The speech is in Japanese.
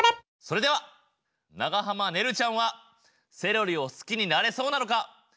それでは長濱ねるちゃんはセロリを好きになれそうなのか！？